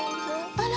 あら。